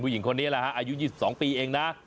หญิงคนนี้แหละฮะอายุ๒๒ปีเองนะ